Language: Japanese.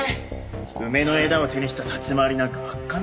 梅の枝を手にした立ち回りなんか圧巻でさ。